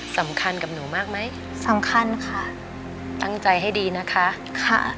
ตั้งใจให้ดีนะคะ